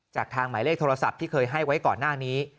จากทางหมายเลขโทรศัพท์ที่เคยให้ไว้ก่อนหน้านี้